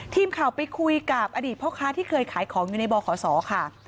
ทีมข่าวไปคุยกับอดีตพ่อค้าที่เคยขายของอยู่ในบขศค่ะ